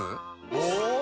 お！